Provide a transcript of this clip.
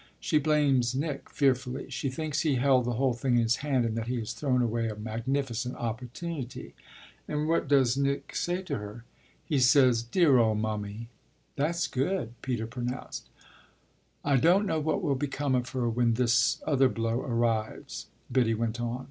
She blames Nick fearfully. She thinks he held the whole thing in his hand and that he has thrown away a magnificent opportunity." "And what does Nick say to her?" "He says, 'Dear old mummy!'" "That's good," Peter pronounced. "I don't know what will become of her when this other blow arrives," Biddy went on.